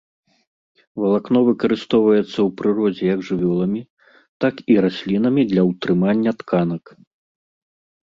Валакно выкарыстоўваецца ў прыродзе як жывёламі, так і раслінамі для ўтрымання тканак.